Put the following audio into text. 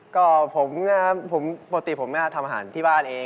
ก็ผมปกติผมทำอาหารที่บ้านเอง